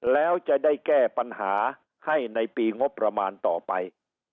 แล้วจะได้แก้ปัญหาให้ในปีงบประมาณต่อไป